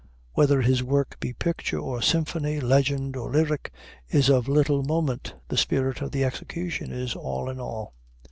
Whether his work be picture or symphony, legend or lyric, is of little moment. The spirit of the execution is all in all.